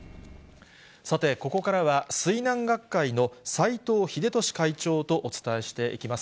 さて、ここからは、水難学会の斎藤秀俊会長とお伝えしていきます。